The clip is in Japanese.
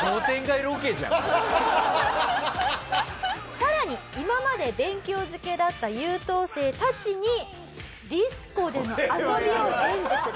さらに今まで勉強漬けだった優等生たちにディスコでの遊びを伝授する。